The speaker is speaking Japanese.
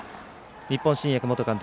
日本新薬元監督